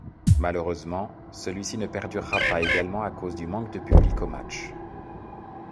Malheureusement, celui-ci ne perdurera pas également à cause du manque de public aux matchs.